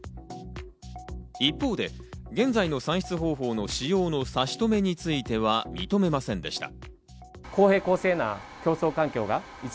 一方で現在の算出方法の使用の差し止めについては認めませんでした。